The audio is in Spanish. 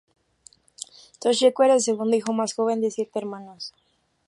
Toshiko era el segundo hijo más joven de siete hermanos.